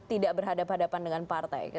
tidak berhadapan hadapan dengan partai